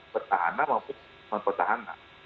pertahanan maupun mempertahanan